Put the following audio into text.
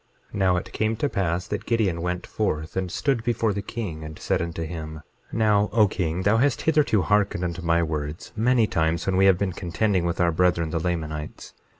22:3 Now it came to pass that Gideon went forth and stood before the king, and said unto him: Now O king, thou hast hitherto hearkened unto my words many times when we have been contending with our brethren, the Lamanites.